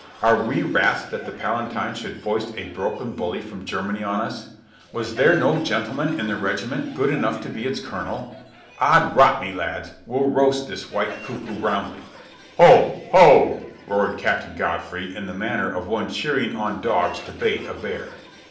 Are we rats that the Palatine should foist a broken bully from Germany on us ? Was there no gentleman in the regiment good enough to be its INGEMINATING PEACE 151 colonel? Od rot me, lads, we'll roast this white cuckoo roundly !" "Hoo! Hoo!" roared Captain Godfrey in the manner of one cheering on dogs to bait a bear.